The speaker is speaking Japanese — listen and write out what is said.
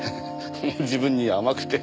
自分に甘くて。